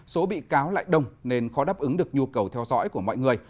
số bị cáo lại đông nên khó đáp ứng được nhu cầu theo dõi của mọi người